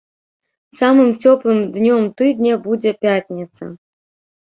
Самым цёплым днём тыдня будзе пятніца.